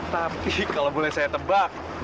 tapi kalau boleh saya tebak